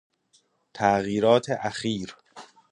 تغییرات اخیر